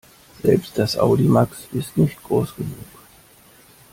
Selbst das Audimax ist nicht groß genug.